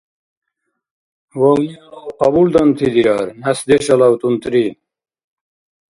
Вавни-алав къабулданти дирар, нясдеш-алав — тӀунтӀри.